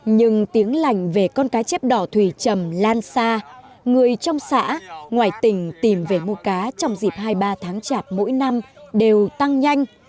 nhưng tiếng lành về con cá chép đỏ thủy trầm lan xa người trong xã ngoài tỉnh tìm về mua cá trong dịp hai mươi ba tháng chạp mỗi năm đều tăng nhanh